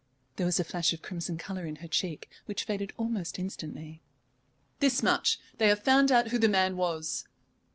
There was a flash of crimson colour in her cheek, which faded almost instantly. "This much. They have found out who the man was."